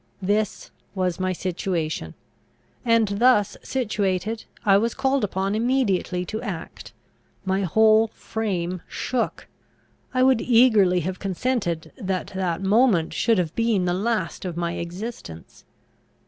This was my situation; and, thus situated, I was called upon immediately to act. My whole frame shook. I would eagerly have consented that that moment should have been the last of my existence.